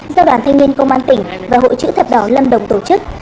do đoàn thanh niên công an tỉnh và hội chữ thập đỏ lâm đồng tổ chức